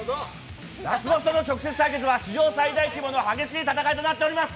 ラスボスとの直接対決は史上最大規模の激しい対決となっております。